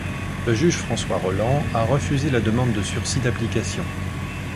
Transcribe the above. Le juge François Rolland a refusé la demande de sursis d'application.